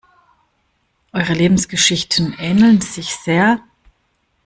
Eure Lebensgeschichten ähneln sich sehr.